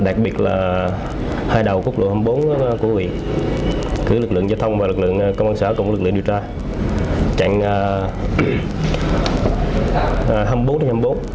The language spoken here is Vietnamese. đặc biệt là hai đầu quốc lộ hai mươi bốn của huyện cử lực lượng giao thông và lực lượng công an sở cùng lực lượng điều tra chặn hai mươi bốn đến hai mươi bốn